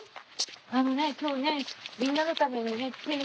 あのね今日ねみんなのために桜の。